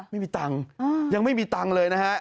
ไม่มีตังค์ยังไม่มีตังค์เลยนะฮะ